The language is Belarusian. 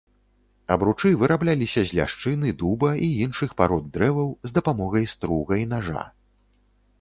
Абручы вырабляліся з ляшчыны, дуба і іншых парод дрэваў з дапамогай струга і нажа.